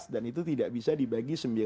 dan itu tidak bisa dibagi sembilan belas